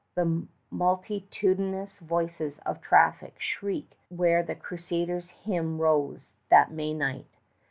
The multitudinous voices of traffic shriek where the crusaders' hymn rose that May night.